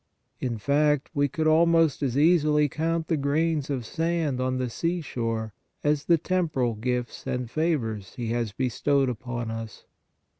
In fact, we could almost as easily count the grains of sand on the sea shore as the temporal gifts and favors He has bestowed upon us.